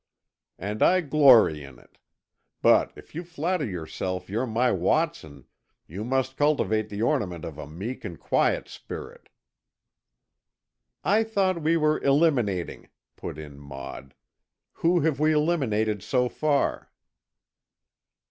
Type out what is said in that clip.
"And I glory in it. But if you flatter yourself you're my Watson, you must cultivate the ornament of a meek and quiet spirit." "I thought we were eliminating," put in Maud. "Who have we eliminated so far?"